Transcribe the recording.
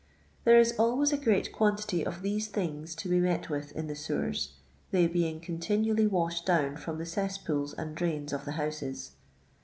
There is always a great quantity of these things to be mot with in the sewers, they being continually washed down from the cesspools and drains of the houses.